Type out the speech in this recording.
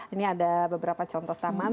ini ada beberapa contoh taman